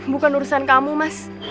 bukan urusan kamu mas